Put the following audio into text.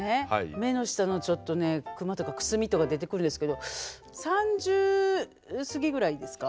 目の下のちょっとねくまとかくすみとか出てくるんですけど３０過ぎぐらいですか？